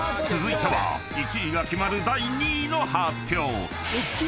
［続いては１位が決まる第２位の発表］